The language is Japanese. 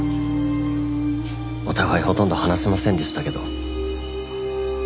お互いほとんど話しませんでしたけど。